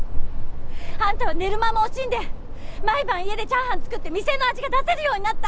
あんたは寝る間も惜しんで毎晩家でチャーハン作って店の味が出せるようになったって。